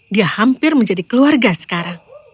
dia hampir menjadi keluarga sekarang